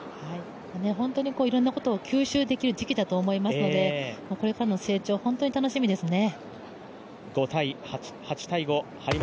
ホントにいろんなことを吸収できる時期だと思いますのでこれからの成長、本当に楽しみですね。